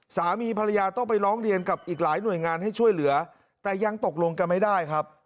สามีภรรยาต้องไปร้องเรียนกับอีกหลายหน่วยงานให้ช่วยเหลือแต่ยังตกลงกันไม่ได้ครับ